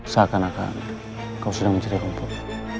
seakan akan kau sudah mencari rumput